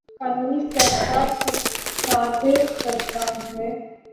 قانونی فیصلہ صادر کرتا ہے